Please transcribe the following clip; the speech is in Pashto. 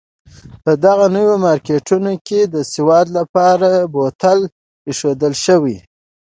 په دغو نویو مارکېټونو کې د سودا لپاره بوتان اېښودل شوي.